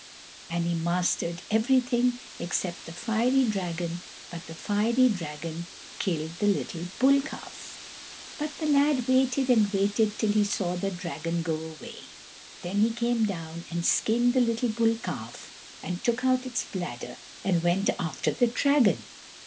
And he mastered everything except the fiery dragon, but the fiery dragon killed the little bull calf. But the lad waited and waited till he saw the dragon go away, then he came down and skinned the little bull calf, and took out its bladder and went after the dragon.